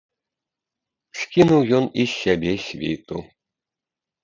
Скінуў ён і з сябе світу.